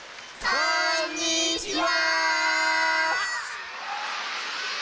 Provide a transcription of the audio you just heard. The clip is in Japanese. こんにちは！